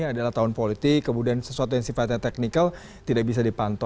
adalah tahun politik kemudian sesuatu yang sifatnya teknikal tidak bisa dipantau